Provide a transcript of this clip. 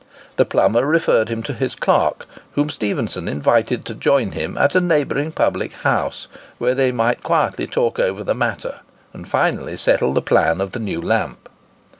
The plumber referred him to his clerk, whom Stephenson invited to join him at a neighbouring public house, where they might quietly talk over the matter, and finally settle the plan of the new lamp.